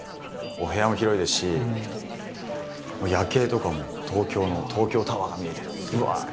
お部屋も広いですし夜景とかも東京の東京タワーが見えてぶわっと。